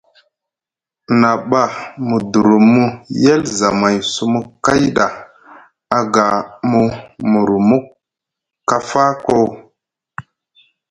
Na ɓa mu durumu yel zamay sumu kay ɗa aga mu murumu kafa koo.